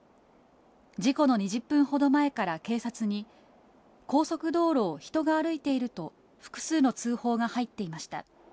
事故の２０分ほど前から、警察に、高速道路を人が歩いていると、複数の通報が入っていました。